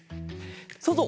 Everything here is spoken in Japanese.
そうぞう！